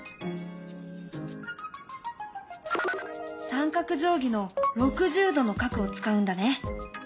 三角定規の６０°の角を使うんだね。